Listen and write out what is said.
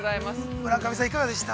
◆村上さん、いかがでした？